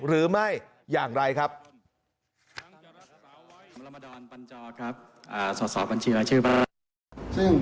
คุณสิริกัญญาบอกว่า๖๔เสียง